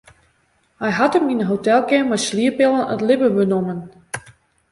Hy hat him yn in hotelkeamer mei slieppillen it libben benommen.